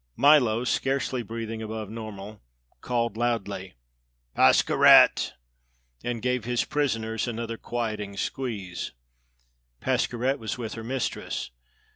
Milo, scarcely breathing above normal, called loudly: "Pascherette!" and gave his prisoners another quieting squeeze. Pascherette was with her mistress.